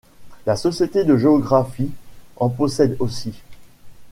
La Société de géographie en possède aussi.